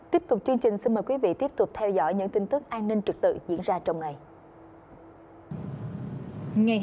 tiếp tục chương trình xin mời quý vị tiếp tục theo dõi những tin tức an ninh trực tự diễn ra trong ngày